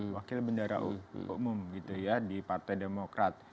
wakil bendara umum gitu ya di partai demokrat